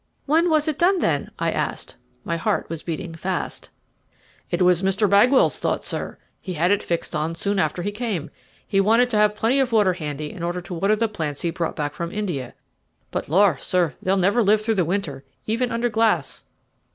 "When was it done, then?" I asked. My heart was beating fast. "It was Mr. Bagwell's thought, sir; he had it fixed on soon after he came. He wanted to have plenty of water handy in order to water the plants he brought back from India; but, lor! sir, they'll never live through the winter, even under glass."